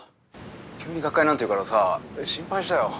急に学会なんていうからさ心配したよ。